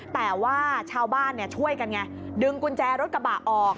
แต่ว่าชาวบ้านช่วยกันไงดึงกุญแจรถกระบะออก